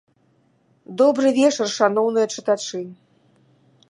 Добры вечар, шаноўныя чытачы!